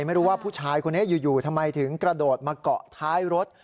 ไม่รู้ว่าผู้ชายคนนี้อยู่ทำไมถึงกระโดดมาเกาะท้ายรถ